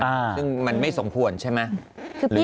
ซึ่งมันไม่สมควรใช่ไหม